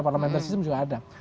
parlemen dan sistem juga ada